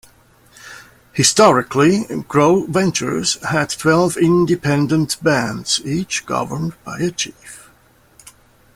Historically, Gros Ventres had twelve independent bands, each governed by a chief.